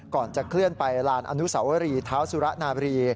ก่อนจะเคลื่อนไปลานอนุสวรีเท้าสุระนาบรี